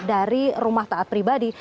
dari rumah taat pribadi